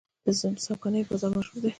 د څمکنیو بازار مشهور دی